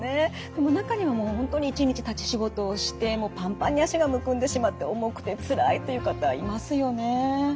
でも中にはもう本当に一日立ち仕事をしてもうパンパンに脚がむくんでしまって重くてつらいという方いますよね。